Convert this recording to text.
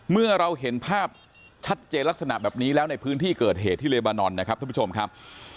เมื่อเราเห็นภาพชัดเจนลักษณะแบบนี้แล้วในพื้นที่เกิดเหตุที่เลบานอนนะครับท่านผู้ชมครับ